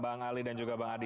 bang ali dan juga bang adi